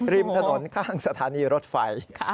ริมถนนข้างสถานีรถไฟ